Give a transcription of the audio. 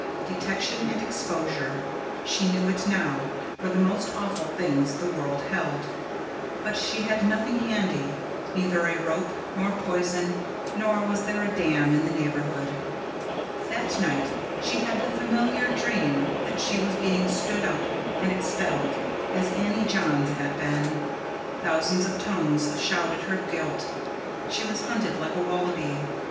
Detection and exposure, she knew it now, were the most awful things the world held. But she had nothing handy: neither a rope, nor poison, nor was there a dam in the neighbourhood. That night she had the familiar dream that she was being "stood up" and expelled, as Annie Johns had been: thousands of tongues shouted her guilt; she was hunted like a wallaby.